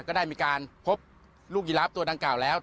ก็ได้มีการพบลูกยีราฟตัวดังกล่าวแล้ว